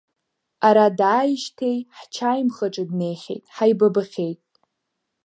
Ара дааижьҭеи ҳчаимхаҿы днеихьеит, ҳаибабахьеит.